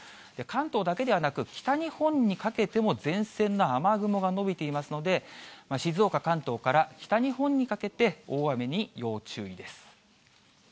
関東だけではなく、北日本にかけても前線の雨雲が延びていますので、静岡、関東から北日本にかけて、大雨に要注意です。